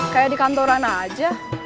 kayak di kantoran aja